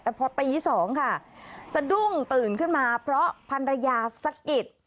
แต่พอตี๒ค่ะสะดุ้งตื่นขึ้นมาเพราะพันรยาสะกิด